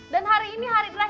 dan hari ini hari terakhir